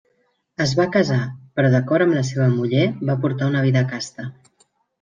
Es va casar, però d'acord amb la seva muller, va portar una vida casta.